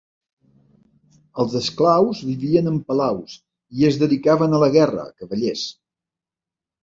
Els esclaus vivien en palaus i es dedicaven a la guerra, cavallers.